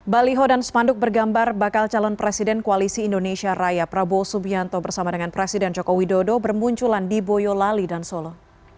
baliho dan spanduk bergambar bakal calon presiden koalisi indonesia raya prabowo subianto bersama dengan presiden joko widodo bermunculan di boyolali dan solo